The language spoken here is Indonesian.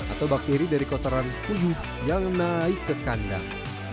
atau bakteri dari kotoran puyuh yang naik ke kandang